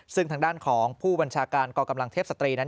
ซึ่งทางด้านของผู้บัญชาการกองกำลังเทพศตรีนั้น